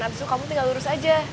abis itu kamu tinggal lurus aja